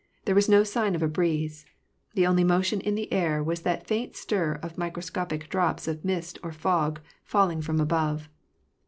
There was no sign of a breeze. The only motion in the air was that faint stir of microscopic drops of mist or fog, falling from above.